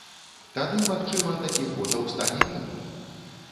Тады, магчыма, такіх ботаў стане меней.